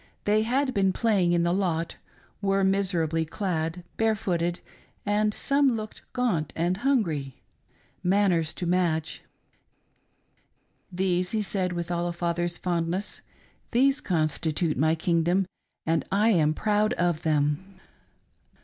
They had, been playing in the lot, were miserably clad, bare footed, and some looked gaunt and hungry: — manners to match. " These," he said, with all a father's fondness ^" these constitute my kingdom, and I am proCid of them."